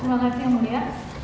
terima kasih yang mulia